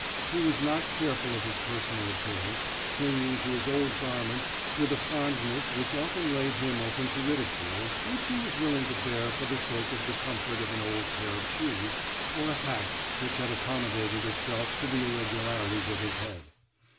He was not careful of his personal appearance, clinging to his old garments with a fondness which often laid him open to ridicule, which he was willing to bear for the sake of the comfort of an old pair of shoes, or a hat which had accommodated itself to the irregularities of his head.